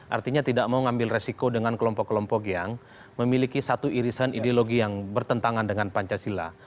artinya tidak mau ngambil resiko dengan kelompok kelompok yang memiliki satu irisan ideologi yang bertentangan dengan pancasila